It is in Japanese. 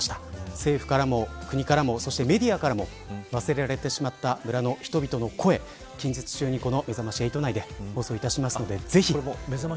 政府からも国からもそしてメディアからも忘れられてしまった村の人々の声近日中にこのめざまし８内で放送しますので、ぜひ。